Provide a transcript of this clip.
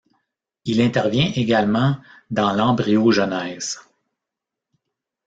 Il intervient également dans l'embryogenèse.